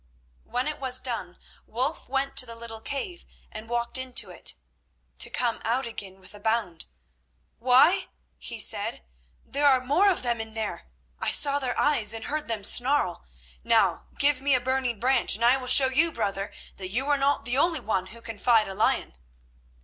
When it was done Wulf went to the little cave and walked into it, to come out again with a bound. "Why!" he said, "there are more of them in there. I saw their eyes and heard them snarl. Now, give me a burning branch and I will show you, brother, that you are not the only one who can fight a lion."